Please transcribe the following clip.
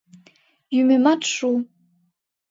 Йӱмемат шу.